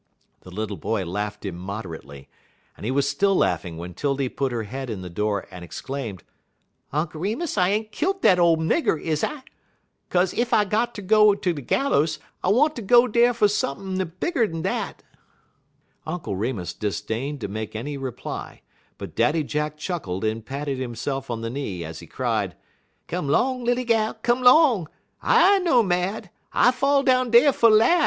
The little boy laughed immoderately, and he was still laughing when 'Tildy put her head in the door and exclaimed: "Unk' Remus, I ain't kilt dat ole nigger, is I? 'Kaze ef I got ter go ter de gallus, I want to go dar fer sump'n' n'er bigger'n dat." Uncle Remus disdained to make any reply, but Daddy Jack chuckled and patted himself on the knee as he cried: "Come 'long, lilly gal! come 'long! I no mad. I fall down dey fer laff.